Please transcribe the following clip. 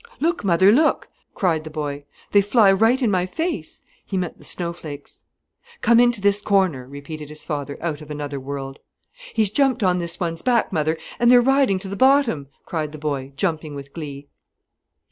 "Look, mother, look!" cried the boy. "They fly right in my face"—he meant the snowflakes. "Come into this corner," repeated his father, out of another world. "He's jumped on this one's back, mother, an' they're riding to the bottom!" cried the boy, jumping with glee.